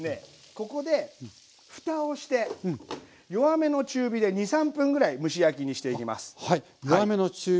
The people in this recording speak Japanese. ここでふたをして弱めの中火で２３分ぐらい蒸し焼きにしていきます。